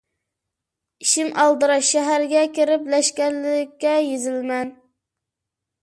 ئىشىم ئالدىراش، شەھەرگە كىرىپ لەشكەرلىككە يېزىلىمەن.